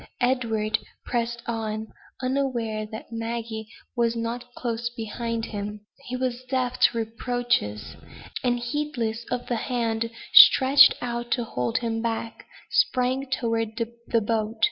Edward pressed on, unaware that Maggie was not close behind him. He was deaf to reproaches; and, heedless of the hand stretched out to hold him back, sprang toward the boat.